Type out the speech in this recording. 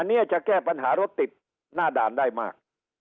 อันนี้จะแก้ปัญหารถติดหน้าด่านได้มาก